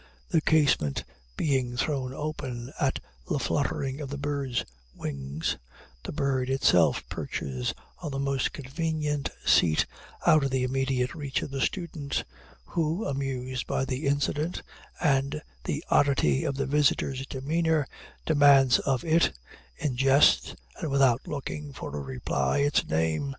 The casement being thrown open at the fluttering of the bird's wings, the bird itself perches on the most convenient seat out of the immediate reach of the student, who, amused by the incident and the oddity of the visitor's demeanor, demands of it, in jest and without looking for a reply, its name.